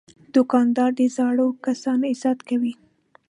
دوکاندار د زړو کسانو عزت کوي.